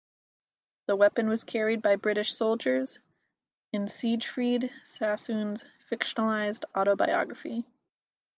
The weapon was carried by British soldiers in Siegfried Sassoon's fictionalised autobiography.